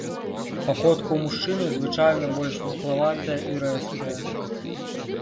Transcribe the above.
Паходка ў мужчыны звычайна больш вуглаватая і рэзкая.